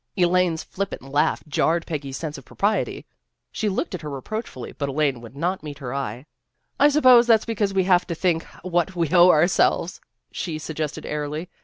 Elaine's flippant laugh jarred Peggy's sense of propriety. She looked at her reproachfully, but Elaine would not meet her eye. " I suppose that's because we have to think what we owe ourselves," she suggested airily.